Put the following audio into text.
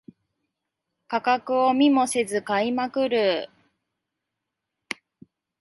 価格を見もせず買いまくる